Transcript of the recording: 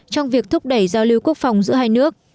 trong việc thúc đẩy giao lưu quốc phòng giữa hai nước